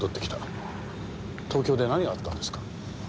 東京で何があったんですか？